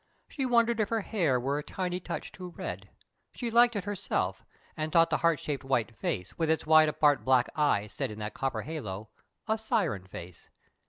She wondered if her hair were a tiny touch too red. She liked it, herself, and thought the heart shaped white face, with its wide apart black eyes set in that copper halo, a siren face.